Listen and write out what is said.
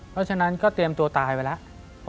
เพราะฉะนั้นก็เตรียมตัวตายไปแล้ว